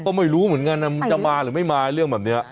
ก็ไม่รู้เหมือนกันมันจะมาหรือไม่มาเรื่องแบบนี้